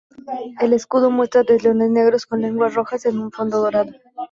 El escudo muestra tres leones negros con lenguas rojas en un fondo dorado.